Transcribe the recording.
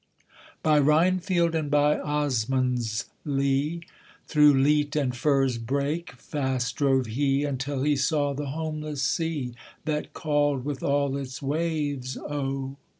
By Rhinefield and by Osmondsleigh, Through leat and furze brake fast drove he, Until he saw the homeless sea, That called with all its waves O!